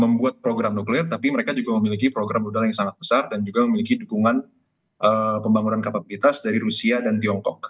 membuat program nuklir tapi mereka juga memiliki program modal yang sangat besar dan juga memiliki dukungan pembangunan kapabilitas dari rusia dan tiongkok